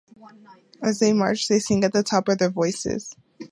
As they march, they sing at the top of their voices.